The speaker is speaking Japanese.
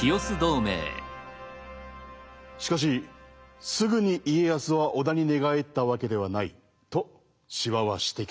しかしすぐに家康は織田に寝返ったわけではないと司馬は指摘する。